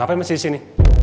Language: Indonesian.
gapain masih di sini